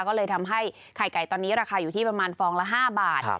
ก็เลยทำให้ไข่ไก่ตอนนี้ราคาอยู่ที่ประมาณฟองละ๕บาท